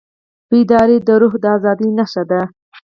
بیداري د روح د ازادۍ نښه ده.